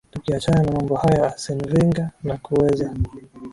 tukiachana na mambo haya arsene venga na kuweza